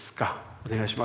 お願いします。